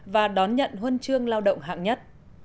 và đón nhận huân chương lao động hạng nhất